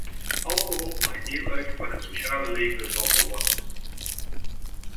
Alcohol maakt deel uit van het sociale leven van volwassenen.